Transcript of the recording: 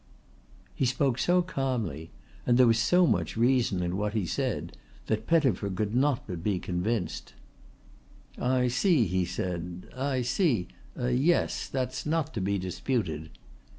He spoke so calmly, there was so much reason in what he said, that Pettifer could not but be convinced. "I see," he said. "I see. Yes. That's not to be disputed."